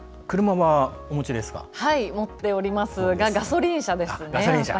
はい、持っておりますがガソリン車ですね、やっぱり。